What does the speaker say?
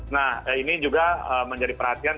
nah ini juga menjadi perhatian